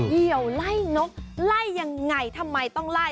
เหี่ยวไล่นกไล่ยังไงทำไมต้องไล่